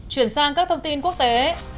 chuyển sang các thông tin quốc tế